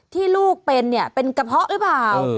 ที่ลูกเป็นเนี่ยเป็นกระเพาะหรือเปล่า